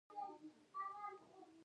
هغه هغې ته په درناوي د بام کیسه هم وکړه.